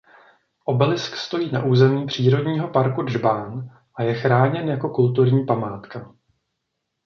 Obelisk stojí na území Přírodního parku Džbán a je chráněn jako kulturní památka.